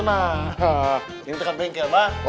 ini tekan bengkel pak